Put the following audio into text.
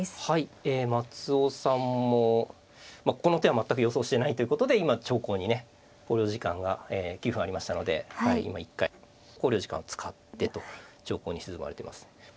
はい松尾さんもこの手は全く予想していないということで今長考にね考慮時間が９分ありましたので今１回考慮時間を使ってと長考に沈まれています。